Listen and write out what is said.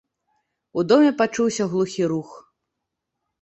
У доме пачуўся глухі рух.